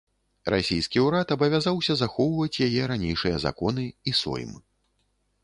Расійскі ўрад абавязаўся захоўваць яе ранейшыя законы і сойм.